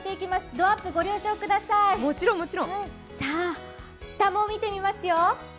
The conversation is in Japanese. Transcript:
どアップご了承ください、下も見てみますよ。